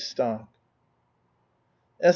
Stock. S.